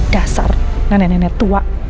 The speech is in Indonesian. dasar nene nenek tua